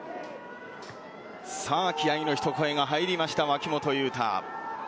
気合の一声が入りました、脇本雄太。